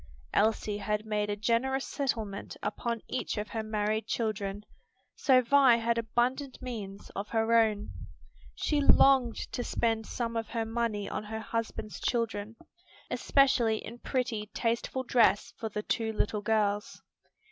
Elsie had made a generous settlement upon each of her married children; so Vi had abundant means of her own. She longed to spend some of her money on her husband's children, especially in pretty, tasteful dress for the two little girls.